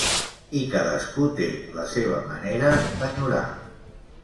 I cadascú té la seva manera d'enyorar.